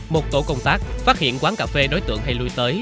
một tổ công tác phát hiện quán cà phê đối tượng hay lui tới